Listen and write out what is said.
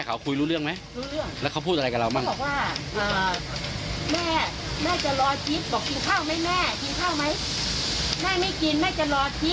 กินข้าวไหมแม่ไม่กินแม่จะรอจิ๊บ